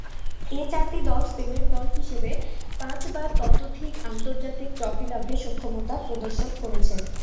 এ চারটি দল স্পেনের দল হিসেবে পাঁচ বা ততোধিক আন্তর্জাতিক ট্রফি লাভে সক্ষমতা প্রদর্শন করেছে।